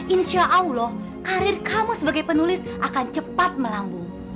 insya allah karir kamu sebagai penulis akan cepat melambung